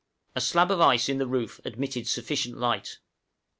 A slab of ice in the roof admitted sufficient light.